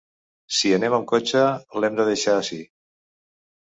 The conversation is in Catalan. Si anem amb cotxe, l'hem de deixar ací.